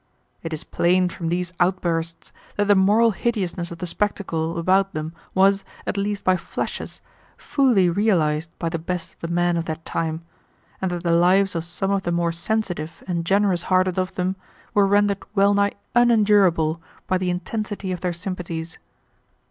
It is plain from these outbursts that the moral hideousness of the spectacle about them was, at least by flashes, fully realized by the best of the men of that time, and that the lives of some of the more sensitive and generous hearted of them were rendered well nigh unendurable by the intensity of their sympathies.